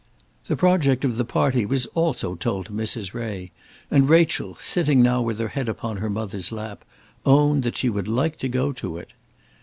The project of the party was also told to Mrs. Ray, and Rachel, sitting now with her head upon her mother's lap, owned that she would like to go to it.